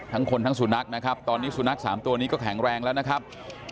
ทั้งคนทั้งสุนัขนะครับตอนนี้สุนัข๓ตัวนี้ก็แข็งแรงแล้วนะครับ